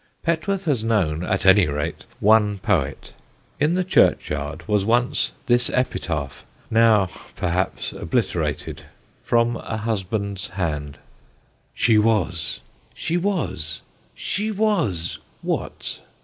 Petworth has known, at any rate, one poet. In the churchyard was once this epitaph, now perhaps obliterated, from a husband's hand: "She was! She was! She was, what?